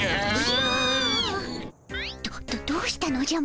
どどうしたのじゃ？